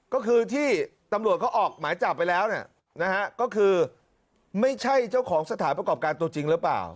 ก็คือที่ตำรวจเขาออกหมายจับไปแล้วนะฮะก็คือไม่ใช่เจ้าของสถานประกอบการตัวจริงหรือเปล่า